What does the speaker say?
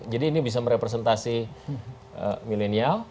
jadi ini bisa merepresentasi milenial